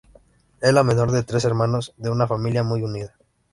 Es la menor de tres hermanos de una familia muy unida.